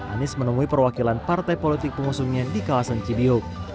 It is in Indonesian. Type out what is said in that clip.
anies menemui perwakilan partai politik pengusungnya di kawasan cibiu